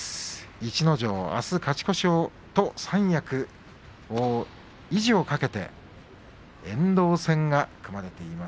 逸ノ城はあす勝ち越しと三役維持をかけて遠藤戦が組まれています。